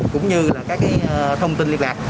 cũng như các thông tin liên lạc